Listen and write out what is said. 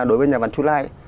đối với nhà văn chu lai